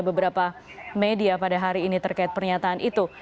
beberapa media pada hari ini terkait pernyataan itu